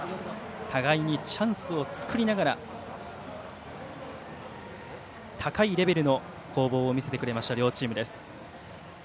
互いにチャンスを作りながら高いレベルの攻防を見せてくれた両チームです。